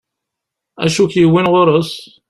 Acu ik-yewwin ɣur-s?